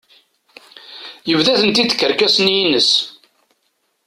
Yebda-tent-id tkerkas-nni ines.